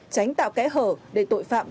tránh tạo kẽ hở để tội phạm có cơ hội hoạt động